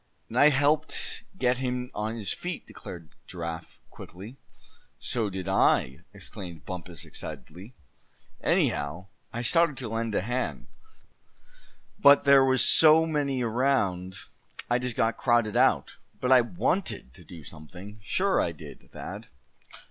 "And I helped get him on his feet!" declared Giraffe, quickly. "So did I!" exclaimed Bumpus, excitedly; "anyhow, I started to lend a hand; but there was so many around I just got crowded out. But I wanted to do something, sure I did, Thad!"